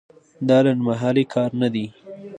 دا لنډمهالی کار نه دی.